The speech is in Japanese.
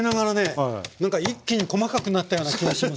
何か一気に細かくなったような気がします。